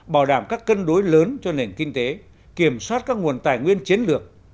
bảo đảm các cân đối lớn cho nền kinh tế kiểm soát các nguồn tài nguyên chiến lược